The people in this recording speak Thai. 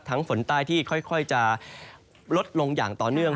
ฝนใต้ที่ค่อยจะลดลงอย่างต่อเนื่อง